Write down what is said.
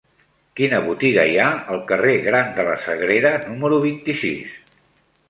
Quina botiga hi ha al carrer Gran de la Sagrera número vint-i-sis?